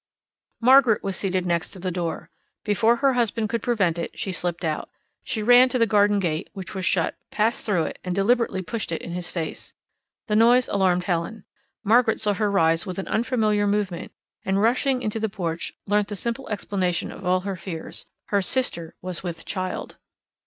Margaret was seated next to the door. Before her husband could prevent her, she slipped out. She ran to the garden gate, which was shut, passed through it, and deliberately pushed it in his face. The noise alarmed Helen. Margaret saw her rise with an unfamiliar movement, and, rushing into the porch, learnt the simple explanation of all their fears her sister was with child.